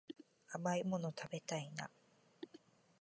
甘いもの食べたいな